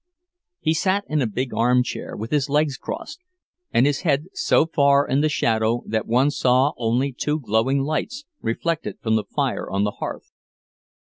He sat in a big arm chair, with his legs crossed, and his head so far in the shadow that one saw only two glowing lights, reflected from the fire on the hearth.